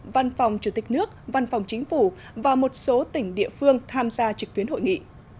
văn phòng chủ tịch nước văn phòng chính phủ và một số tỉnh địa phương tham gia trực tuyến hội nghị